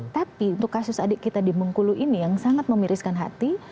tapi untuk kasus adik kita di bengkulu ini yang sangat memiriskan hati